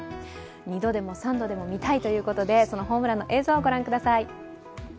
２度でも３度でも見たいということでそのホームランの映像、御覧ください。